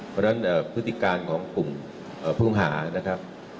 เพราะฉะนั้นเอ่อพฤติการของกลุ่มเอ่อภูมิหานะครับ